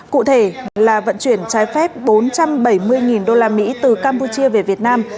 cụ thể là vận chuyển trái phép bốn trăm bảy mươi usd từ campuchia về việt nam